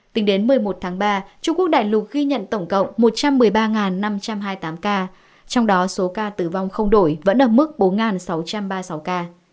tính đến một mươi một tháng ba trung quốc đại lục ghi nhận tổng cộng một trăm một mươi ba năm trăm hai mươi tám ca trong đó số ca tử vong không đổi vẫn ở mức bốn sáu trăm ba mươi sáu ca